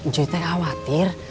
juy teh khawatir